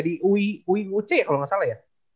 di ui uc kalau gak salah ya